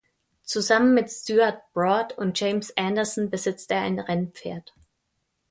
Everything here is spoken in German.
Zusammen mit Stuart Broad und James Anderson besitzt er ein Rennpferd.